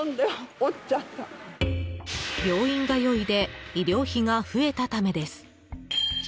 病院通いで医療費が増えたためです。